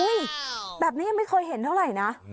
แบบนี้ยังไม่เคยเห็นเท่าไหร่นะ